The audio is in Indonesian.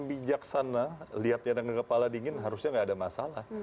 kalau kita lihat dengan kepala dingin harusnya tidak ada masalah